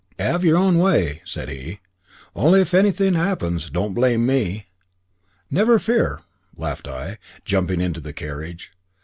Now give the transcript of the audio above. "'Ave y'r own way," said he; "only if an'thing 'appens, don't blame me!" "Never fear," laughed I, jumping into the carriage.